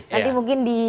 nanti mungkin di